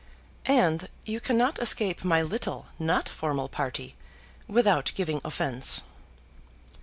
"And you cannot escape my little not formal party, without giving offence."